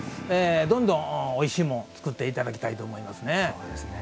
どんどんおいしいもん作っていただきたいと思いますね。